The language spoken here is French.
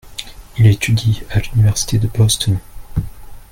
Il étudie à l'université de Boston.